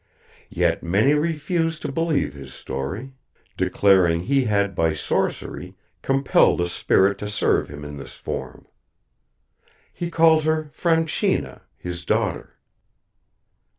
Yet many refused to believe his story, declaring he had by sorcery compelled a spirit to serve him in this form. He called her Franchina, his daughter."